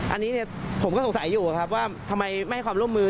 อันนี้ผมก็สงสัยอยู่ครับว่าทำไมไม่ให้ความร่วมมือ